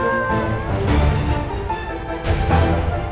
aku mau ke sana